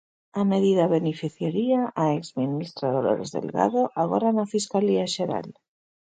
A medida beneficiaría a exministra Dolores Delgado, agora na fiscalía xeral.